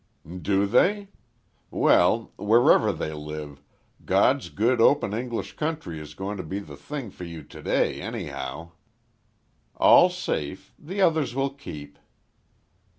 "Do they? Well, wherever they live, God's good open English country is going to be the thing for you to day, anyhow." "All safe. The other will keep."